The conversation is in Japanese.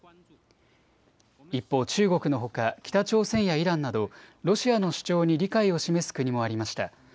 一方、中国のほか北朝鮮やイランなどロシアの主張に理解を示す国もありました。